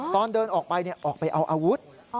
ตอนเดินออกไปออกไปเอาอาวุธ